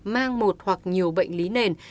mang một hoặc nhiều bệnh lý nền